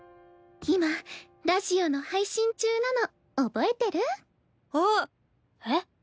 今ラジオの配信中なの覚えてる？あっ。えっ？